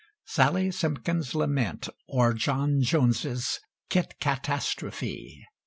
SALLY SIMPKIN'S LAMENT; OR, JOHN JONES'S KIT CAT ASTROPHE.